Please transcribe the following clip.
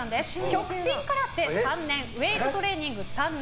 極真空手３年ウエイトトレーニング３年。